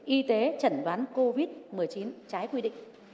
y tế chẩn đoán covid một mươi chín trái quy định